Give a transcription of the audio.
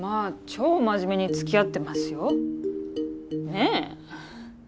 超真面目に付き合ってますよねえ